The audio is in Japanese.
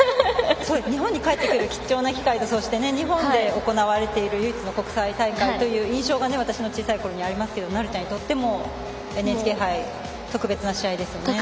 日本に帰ってくる貴重な機会、日本で行われている唯一の国際大会というのがありますが私の小さいころにありますけどなるちゃんにとってもＮＨＫ杯特別な試合ですよね。